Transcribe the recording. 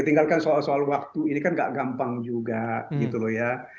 tinggalkan soal soal waktu ini kan gak gampang juga gitu loh ya